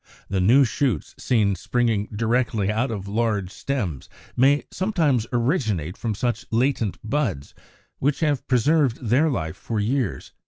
The new shoots seen springing directly out of large stems may sometimes originate from such latent buds, which have preserved their life for years.